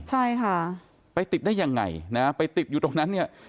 ใช่ค่ะไปติดได้ยังไงนะไปติดอยู่ตรงนั้นเนี่ย